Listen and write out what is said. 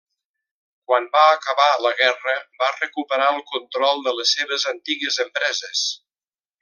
Quan va acabar la guerra va recuperar el control de les seves antigues empreses.